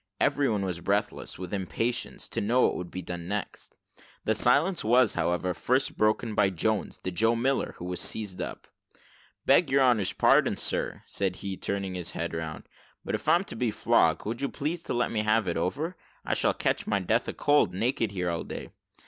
Everyone was breathless, with impatience, to know what would be done next. The silence was, however, first broken by Jones, the Joe Miller, who was seized up. "Beg your honour's pardon, sir," said he, turning his head round: "but if I am to be flogged, will you be pleased to let me have it over? I shall catch my death a cold, naked here all day."